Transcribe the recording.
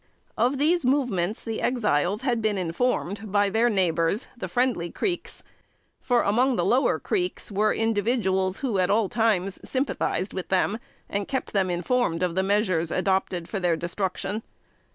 Of these movements the Exiles had been informed by their neighbors, the friendly Creeks; for, among the Lower Creeks, were individuals who at all times sympathized with them, and kept them informed of the measures adopted for their destruction.